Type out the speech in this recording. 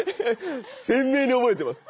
鮮明に覚えてます。